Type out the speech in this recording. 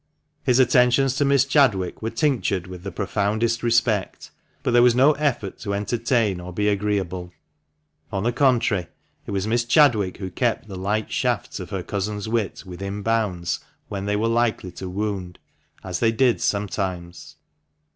His attentions to Miss Chadwick were tinctured with the profoundest respect, but there was no effort to entertain or be agreeable ; on the contrary, it was Miss Chadwick who kept the light shafts of her cousin's wit within bounds when they were likely to wound — as they did sometimes.